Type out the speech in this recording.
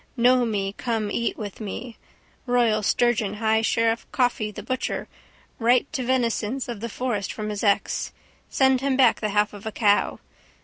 Know me come eat with me. Royal sturgeon high sheriff, Coffey, the butcher, right to venisons of the forest from his ex. Send him back the half of a cow.